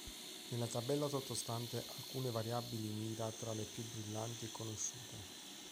Nella tabella sottostante alcune variabili Mira tra le più brillanti e conosciute.